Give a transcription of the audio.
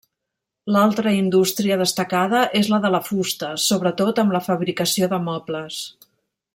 L'altra indústria destacada és la de la fusta, sobretot amb la fabricació de mobles.